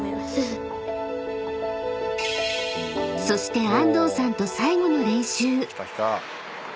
［そして安藤さんと最後の練習］